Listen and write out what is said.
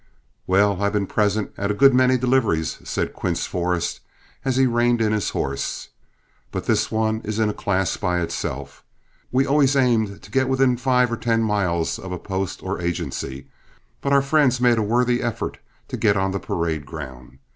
"Well, I've been present at a good many deliveries," said Quince Forrest, as he reined in his horse, "but this one is in a class by itself. We always aimed to get within five or ten miles of a post or agency, but our friends made a worthy effort to get on the parade ground.